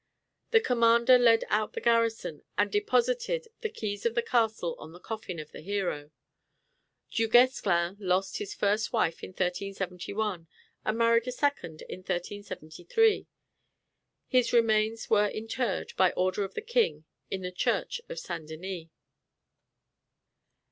The commander led out the garrison and deposited the keys of the castle on the coffin of the hero. Du Guesclin lost his first wife in 1371, and married a second in 1373. His remains were interred, by order of the king, in the church of St Denis.